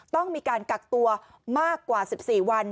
ต้องมีการกักตัวมากกว่า๑๔วัน